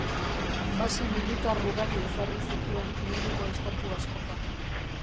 Base militar ugari ezarri zituen munduko estatu askotan.